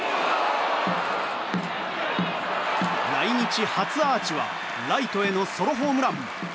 来日初アーチはライトへのソロホームラン。